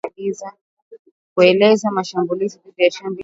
kutekeleza mashambulizi dhidi ya kambi za jeshi mashariki mwa nchi hiyo